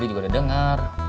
dia juga udah dengar